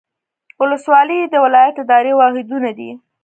ولسوالۍ د ولایت اداري واحدونه دي